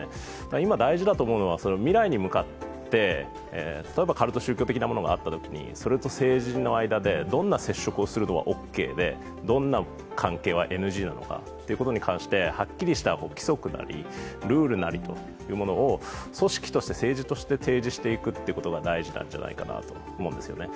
今、大事だと思うのは未来に向かってカルト宗教的なものがあったときにそれと政治の間でどんな接触をするのはオッケーでどんな関係はＮＧなのかということに関してはっきりとした規則なり、ルールなりを組織として政治として提示していくということが大事なんじゃないかなと思うんですよね。